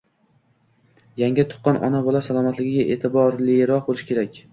Yangi tuqqan ona-bola salomatligiga e’tiborliroq bo‘lish kerak.